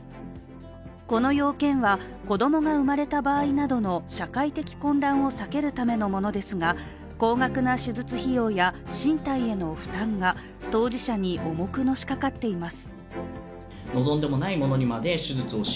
この要件は、子供が生まれた場合などの社会的混乱を避けるためのものですが高額な手術費用や身体への負担が当事者に重くのしかかっています。